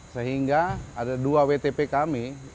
sehingga ada dua wtp kami